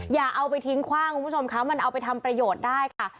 อย่าเอาไปทิ้งคว่างคุณผู้ชมคะมันเอาไปทำประโยชน์ได้ค่ะ